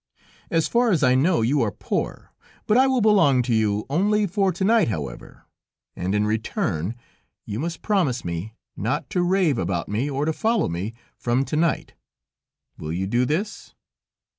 As far as I know, you are poor, but I will belong to you, only for to night, however, and in return you must promise me not to rave about me, or to follow me, from to night. Will you do this?"